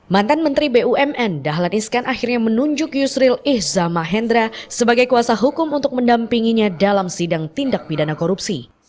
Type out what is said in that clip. mantan menteri bumn dahlan iskan akhirnya menunjuk yusril ihzah mahendra sebagai kuasa hukum untuk mendampinginya dalam sidang tindak pidana korupsi